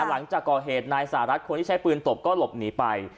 หลังจากก่อเหตุนายสหรัฐคนที่ใช้ปืนตบก็หลบหนีไป